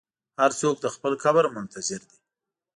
هر څوک د خپل قبر منتظر دی.